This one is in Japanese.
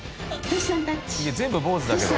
いや全部坊主だけど。